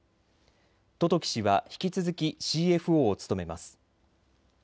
十時氏は引き続きＣＦＯを務めます。